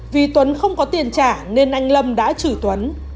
vì tuấn không có tiền trả nên anh lâm đã chửi tuấn